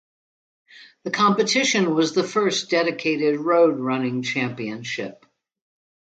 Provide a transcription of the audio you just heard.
The competition was the first dedicated road running championship.